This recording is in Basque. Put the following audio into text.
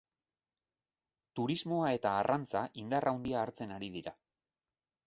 Turismoa eta arrantza indar handia hartzen ari dira.